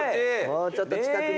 もうちょっと近くに寄って。